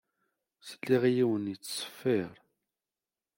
Sliɣ i yiwen yettṣeffiṛ.